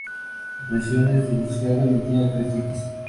Aparicio es divorciado y tiene tres hijos.